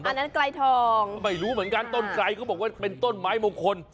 อันนั้นไกลทองไม่รู้เหมือนกันต้นไกลเขาบอกว่าเป็นต้นไม้มงคล